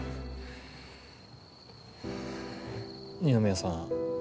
二宮さん。